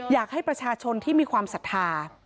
อยากให้ประชาชนที่มีความศรัทธา